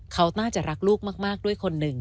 เขาน่าจะรักลูกมากด้วยคนหนึ่ง